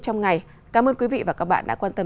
trong ngày cảm ơn quý vị và các bạn đã quan tâm